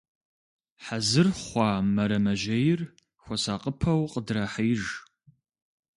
Хьэзыр хъуа мэрэмэжьейр хуэсакъыпэу къыдрахьеиж.